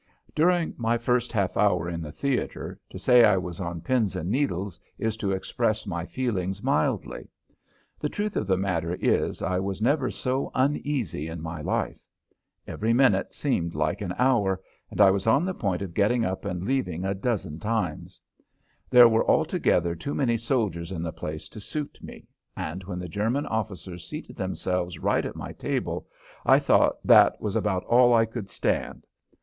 During my first half hour in that theater, to say I was on pins and needles is to express my feelings mildly. The truth of the matter is I was never so uneasy in my life. Every minute seemed like an hour, and I was on the point of getting up and leaving a dozen times. There were altogether too many soldiers in the place to suit me, and when the German officers seated themselves right at my table I thought that was about all I could stand.